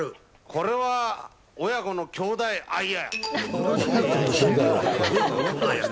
これは親子の兄弟愛や。